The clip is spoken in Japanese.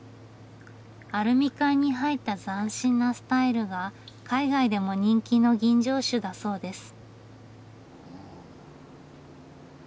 アルミ缶に入った斬新なスタイルが海外でも人気の吟醸酒だそうです。